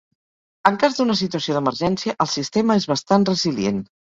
En cas d’una situació d’emergència, el sistema és bastant resilient.